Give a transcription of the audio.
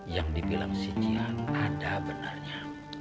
yang dibilang si jihan ada benernya